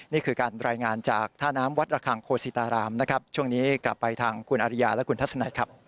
นี่คือการรายงานจากท่าน้ำวัดระคังโคศิตารามนะครับช่วงนี้กลับไปทางคุณอริยาและคุณทัศนัยครับ